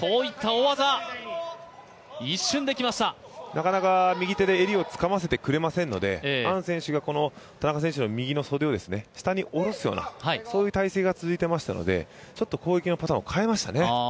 なかなか右手で襟をつかませてくれませんので、アン選手が田中選手の右の袖を下に下ろすような体勢が続いてましたのでちょっと攻撃のパターンを変えましたね。